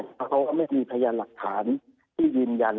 เพราะเขาก็ไม่มีพยานหลักฐานที่ยืนยัน